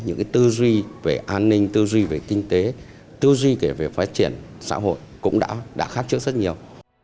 những cái tư duy về an ninh tư duy về kinh tế tư duy kể về phát triển xã hội cũng đã khác trước rất nhiều